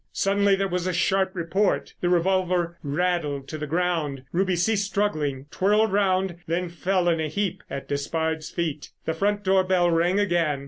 Suddenly there was a sharp report. The revolver rattled to the ground. Ruby ceased struggling, twirled round, then fell in a heap at Despard's feet. The front door bell rang again.